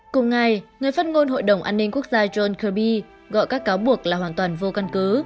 cùng ngày người phát ngôn hội đồng an ninh quốc gia john kirby gọi các cáo buộc là hoàn toàn vô căn cứ